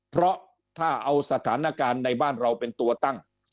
เพราะถ้าเอาสถานการณ์ในบ้านเราเป็นตัวตั้ง